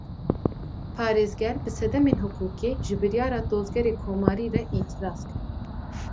Parêzger, bi sedemên hiqûqî, ji biryara Dozgerê Komarî re îtiraz kir